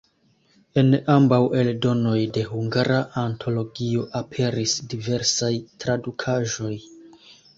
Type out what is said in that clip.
En ambaŭ eldonoj de Hungara Antologio aperis diversaj tradukaĵoj.